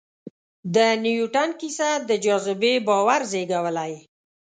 د نیوټن کیسه د جاذبې باور زېږولی.